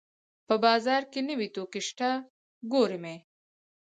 په بازار کې نوې توکي شته ګورم یې